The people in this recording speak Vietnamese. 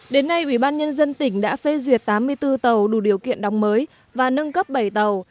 đến nay ủy ban nhân dân tỉnh đã phê duyệt tám mươi bốn tàu đủ điều kiện đóng mới và nâng cấp bảy tàu